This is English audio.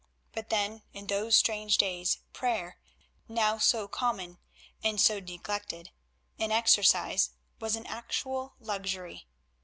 But then in those strange days prayer, now so common (and so neglected) an exercise, was an actual luxury.